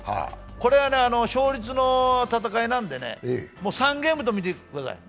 これは勝率の戦いなんでね、３ゲームと見てください。